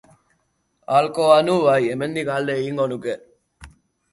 Ahalko banu, bai, hemendik alde egingo nuke.